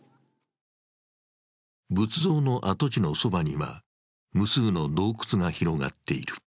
仏像の跡地のそばには、無数の洞窟が広がっている。